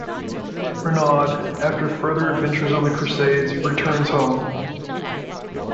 Renaud, after further adventures on the Crusades, returns home.